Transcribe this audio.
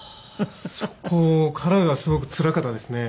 そこからがすごくつらかったですね。